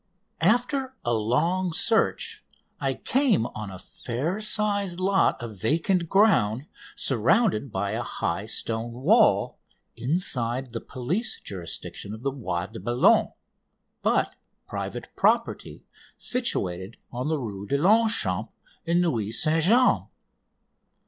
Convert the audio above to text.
After long search I came on a fair sized lot of vacant ground surrounded by a high stone wall, inside the police jurisdiction of the Bois de Boulogne, but private property, situated on the Rue de Longchamps, in Neuilly St James.